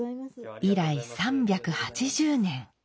以来３８０年。